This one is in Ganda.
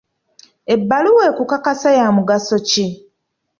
Ebbaluwa ekukakasa ya mugaso ki?